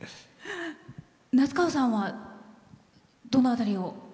夏川さんは、どの辺りを。